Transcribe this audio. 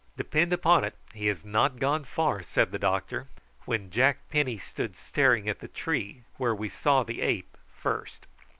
"Depend upon it, he has not gone far," said the doctor, when Jack Penny stood staring at the tree where we saw the ape first.